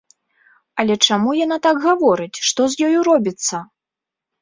Але чаму яна так гаворыць, што з ёю робіцца?